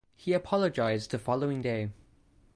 He apologised the following day.